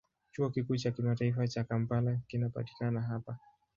Chuo Kikuu cha Kimataifa cha Kampala kinapatikana hapa.